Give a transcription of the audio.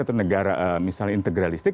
atau negara misalnya integralistik